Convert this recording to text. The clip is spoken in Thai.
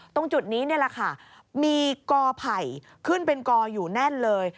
ตรงจุดนี้นี่แหละค่ะมีกอไผ่ขึ้นเป็นกออยู่แน่นเลย